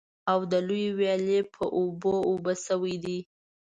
او د لویې ويالې په اوبو اوبه شوي دي.